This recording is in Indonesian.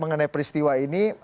mengenai peristiwa ini